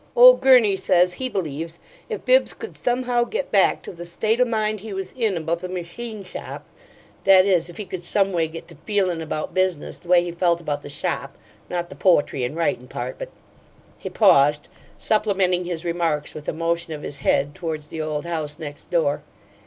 Ole Gurney says he believes if Bibbs could somehow get back to the state o' mind he was in about the machine shop that is, if he could some way get to feelin' about business the way he felt about the shop not the poetry and writin' part, but " He paused, supplementing his remarks with a motion of his head toward the old house next door.